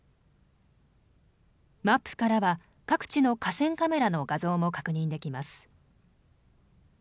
マップからは、各地の河川カメラの画像も確認できます。